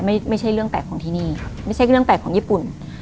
ไม่ใช่เรื่องแปลกของที่นี่ไม่ใช่เรื่องแปลกของญี่ปุ่น